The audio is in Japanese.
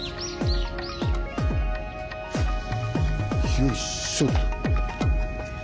よいしょと。